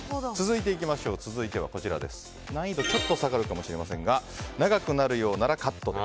続いては、難易度がちょっと下がるかもしれませんが「長くなるようならカットで」。